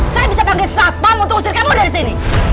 saya bisa panggil satpam untuk usir kamu dari sini